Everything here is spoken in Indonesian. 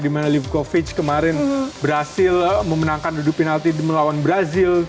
dimana livkovic kemarin berhasil memenangkan adu penalti melawan brazil